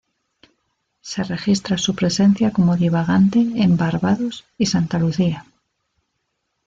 Se registra su presencia como divagante en Barbados y Santa Lucía.